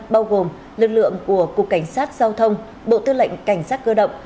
bao gồm lực lượng của cục cảnh sát giao thông bộ tư lệnh cảnh sát cơ động